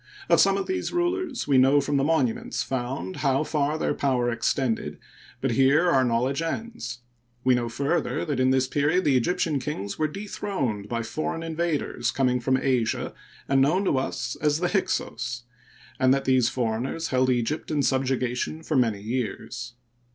Of some of these rulers we know from the monuments found how far their power extended, but here our knowledge ends. We know, further, that in this period the Egyptian kings were dethroned by foreign invaders coming from Asia and known to us as the Hyksos, and that these foreigners held Eg^pt in subjugation for many years.